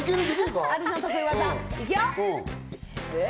私の得意技、行くよ！